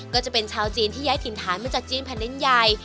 ก็จะเป็นชาวจีนที่ย้ายถิ่นฐานมาจากจีนแผ่นดินใหญ่